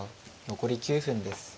残り９分です。